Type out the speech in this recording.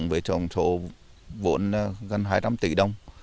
vụn gần hai trăm linh tỷ đồng